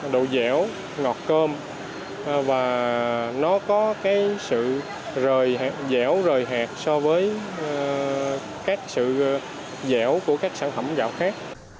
độ dẻo ngọt cơm và nó có cái sự dẻo rời hẹt so với các sự dẻo của các sản phẩm gạo khác